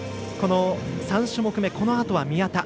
３種目め、このあとは宮田。